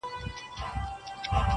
ظالمه یاره سلامي ولاړه ومه!.